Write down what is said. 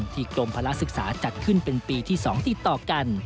กรมภาระศึกษาจัดขึ้นเป็นปีที่๒ติดต่อกัน